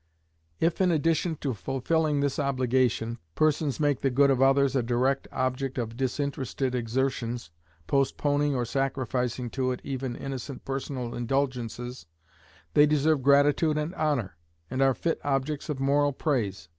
If in addition to fulfilling this obligation, persons make the good of others a direct object of disinterested exertions, postponing or sacrificing to it even innocent personal indulgences, they deserve gratitude and honour, and are fit objects of moral praise.